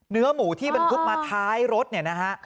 เนื้อหมูที่บรรทุกมาท้ายรถเนี่ยนะฮะ